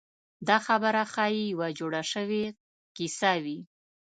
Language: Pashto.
دا خبره ښایي یوه جوړه شوې کیسه وي.